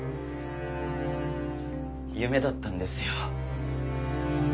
夢だったんですよ